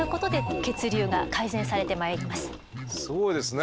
すごいですね。